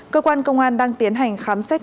cơ quan công an đang tiến hành khám xét